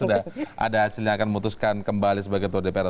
dan silahkan memutuskan kembali sebagai tua dpr